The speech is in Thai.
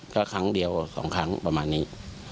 ก็ครั้งเดียว๒ครั้งประมาณนี้